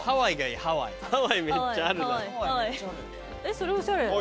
それおしゃれ。